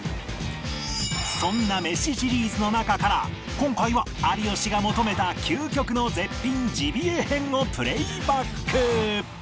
そんな「メシ」シリーズの中から今回は有吉が求めた究極の絶品ジビエ編をプレイバック